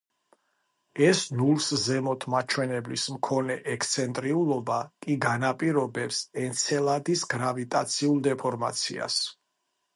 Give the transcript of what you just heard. ეს ნულს ზემოთ მაჩვენებლის მქონე ექსცენტრიულობა კი განაპირობებს ენცელადის გრავიტაციულ დეფორმაციას.